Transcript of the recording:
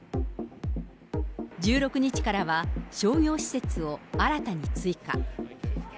１６日からは商業施設を新たに追加。